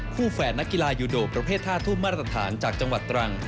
คู่แฝดนักกีฬายูโดวันประเภท๕ที่มารัฐฐานจากจังหวัดตรัง